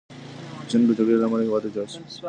د جنګ او جګړو له امله هیواد ویجاړ شو.